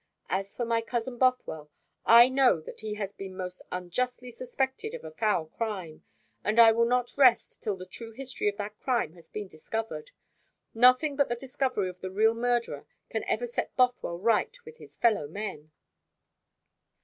As for my cousin Bothwell, I know that he has been most unjustly suspected of a foul crime; and I will not rest till the true history of that crime has been discovered. Nothing but the discovery of the real murderer can ever set Bothwell right with his fellow men."